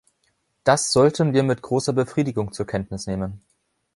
Das sollten wir mit großer Befriedigung zur Kenntnis nehmen.